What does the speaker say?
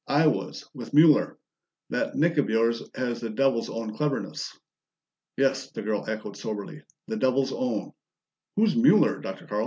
"I was, with Mueller. That Nick of yours has the Devil's own cleverness!" "Yes," the girl echoed soberly. "The Devil's own! Who's Mueller, Dr. Carl?"